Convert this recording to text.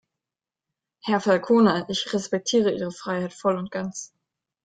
Herr Falconer, ich respektiere Ihre Freiheit voll und ganz.